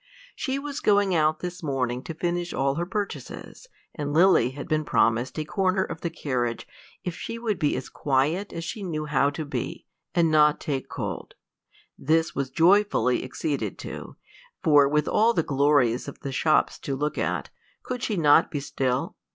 She was going out this morning to finish all her purchases, and Lily had been promised a corner of the carriage if she would be as quiet as she knew how to be, and not take cold. This was joyfully acceded to, for with all the glories of the shops to look at, could she not be still?